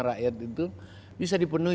rakyat itu bisa dipenuhi